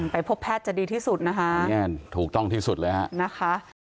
พบแพทย์จะดีที่สุดนะคะถูกต้องที่สุดเลยฮะนะคะ